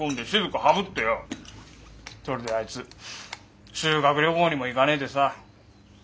それであいつ修学旅行にも行かねえでさ。